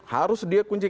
harus dia kunci